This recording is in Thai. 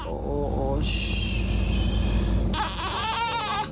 โอ้โฮโอ้ชิบ